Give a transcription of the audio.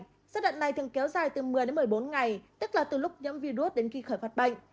giai đoạn này thường kéo dài từ một mươi một mươi bốn ngày tức là từ lúc nhiễm virus đến khi khởi phát bệnh